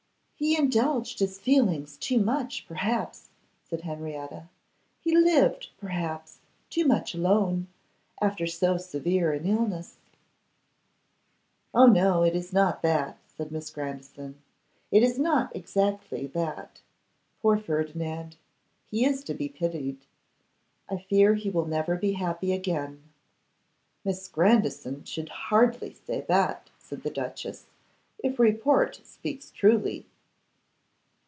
'He indulged his feelings too much, perhaps,' said Henrietta; 'he lived, perhaps, too much alone, after so severe an illness.' 'Oh, no! it is not that,' said Miss Grandison, 'it is not exactly that. Poor Ferdinand! he is to be pitied. I fear he will never be happy again.' 'Miss Grandison should hardly say that,' said the duchess, 'if report speaks truly.